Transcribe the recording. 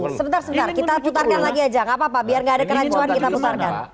oke sebentar sebentar kita putarkan lagi aja gak apa apa biar enggak ada kerancuan kita putarkan